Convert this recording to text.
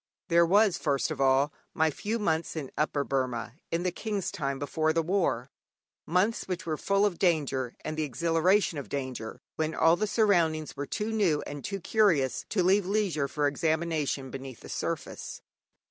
There was, first of all, my few months in Upper Burma in the King's time before the war, months which were full of danger and the exhilaration of danger, when all the surroundings were too new and too curious to leave leisure for examination beneath the surface.